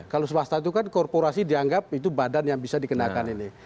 kalau swasta itu kan korporasi dianggap itu badan yang bisa dikenakan ini